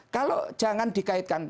kalau jangan dikaitkan